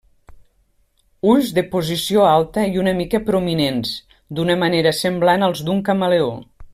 Ulls de posició alta i una mica prominents, d'una manera semblant als d'un camaleó.